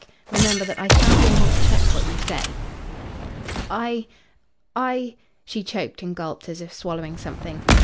Remember that I shall be able to check what you say." "I I " She choked and gulped as if swallowing something.